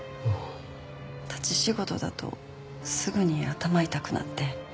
立ち仕事だとすぐに頭痛くなって。